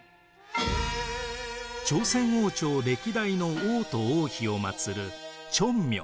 朝鮮王朝歴代の王と王妃を祭る宗廟。